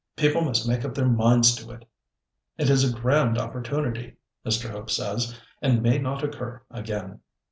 People must make up their minds to it. It is a grand opportunity, Mr. Hope says, and may not occur again."